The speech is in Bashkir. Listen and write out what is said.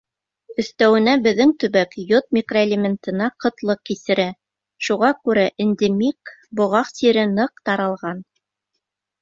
Өҫтәүенә беҙҙең төбәк йод микроэлементына ҡытлыҡ кисерә, шуға күрә эндемик боғаҡ сире ныҡ таралған.